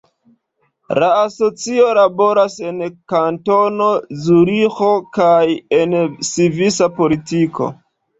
La asocio laboras en Kantono Zuriĥo kaj en svisa politiko.